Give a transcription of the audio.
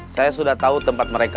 saya sudah tahu tempat mereka